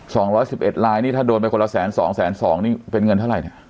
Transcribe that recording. สองร้อยสิบเอ็ดลายนี่ถ้าโดนไปคนละแสนสองแสนสองนี่เป็นเงินเท่าไหร่เนี่ย